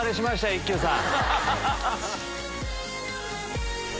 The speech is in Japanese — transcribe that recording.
一休さん？